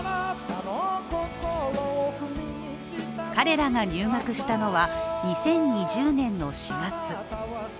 彼らが入学したのは２０２０年の４月。